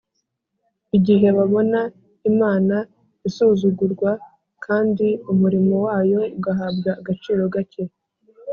igihe babona imana isuzugurwa kandi umurimo wayo ugahabwa agaciro gake,